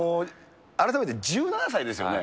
改めて１７歳ですよね。